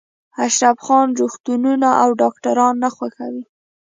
اشرف خان روغتونونه او ډاکټران نه خوښوي